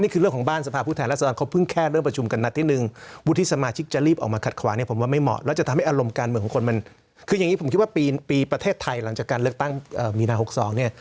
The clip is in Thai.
คืออย่างนี้ผมคิดว่าปีประเทศไทยหลังจากการเลือกตั้งมินาลที่๖๒